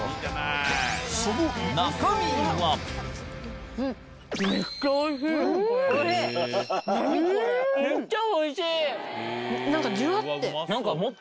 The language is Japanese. そのめっちゃおいしい！